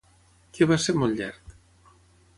Què va ser molt llarg?